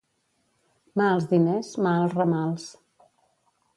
Mà als diners, mà als ramals.